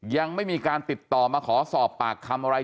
ยังไม่มีการติดต่อมาขอสอบปากคำอะไร